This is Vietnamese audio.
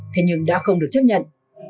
thế nhưng đã không được chấp nhận